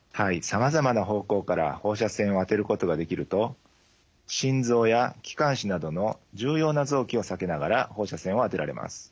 さまざまな方向から放射線を当てることができると心臓や気管支などの重要な臓器を避けながら放射線を当てられます。